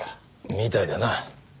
みたいだな。